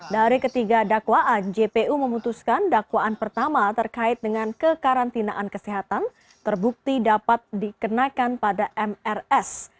dari ketiga dakwaan jpu memutuskan dakwaan pertama terkait dengan kekarantinaan kesehatan terbukti dapat dikenakan pada mrs